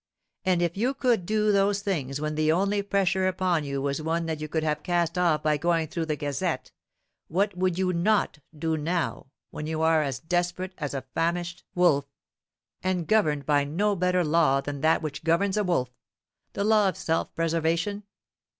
And if you could do those things when the only pressure upon you was one that you could have cast off by going through the Gazette, what would you not do now when you are as desperate as a famished wolf, and governed by no better law than that which governs a wolf the law of self preservation?